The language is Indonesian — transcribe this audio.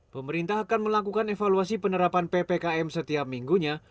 pemerintah akan melakukan evaluasi penerapan ppkm setiap minggunya